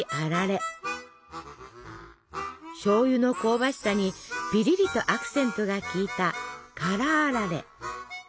しょうゆの香ばしさにぴりりとアクセントが効いた「辛あられ」。